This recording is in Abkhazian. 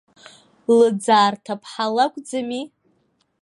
Лыӡаа рҭыԥҳа лакәӡами?